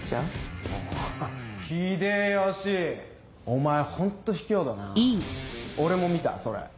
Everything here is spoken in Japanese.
お前ホント卑怯だな俺も見たそれ。